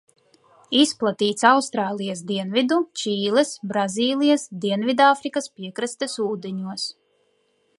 Izplatīts Austrālijas dienvidu, Čīles, Brazīlijas, Dienvidāfrikas piekrastes ūdeņos.